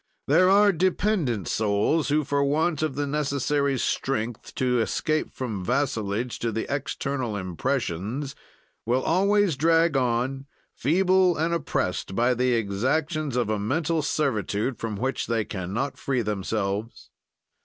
"There are dependent souls who, for want of the necessary strength to escape from vassalage to the external impressions will always drag on, feeble and opprest by the exactions of a mental servitude from which they can not free themselves.